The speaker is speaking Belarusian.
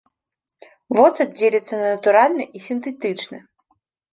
Воцат дзеліцца на натуральны і сінтэтычны.